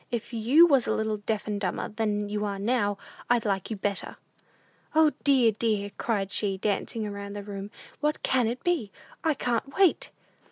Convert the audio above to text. If you was a little deaf and dumber than you are now, I'd like you better! "O, dear, dear!" cried she, dancing about the room; "what can it be? I can't wait!"